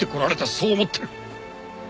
そう思ってる。